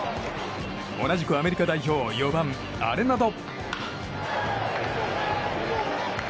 同じくアメリカ代表４番、アレナド。